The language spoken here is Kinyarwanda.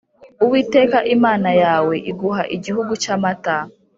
Uwiteka imana yawe iguha igihugu cy amata